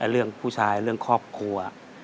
เรื่องผู้ชายเรื่องครอบครัว